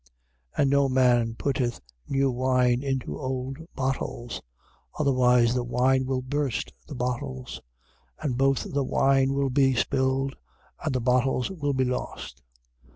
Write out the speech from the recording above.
2:22. And no man putteth new wine into old bottles: otherwise the wine will burst the bottles, and both the wine will be spilled and the bottles will be lost.